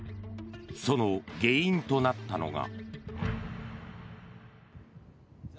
その原因となったのが。